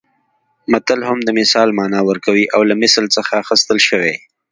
متل هم د مثال مانا ورکوي او له مثل څخه اخیستل شوی